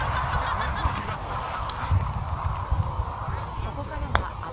すごい斬りますもんね。